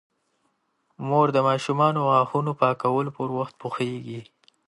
مور د ماشومانو د غاښونو د پاکولو په وخت پوهیږي.